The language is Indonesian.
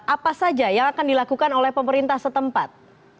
apa saja yang akan dilakukan oleh pemerintah setempat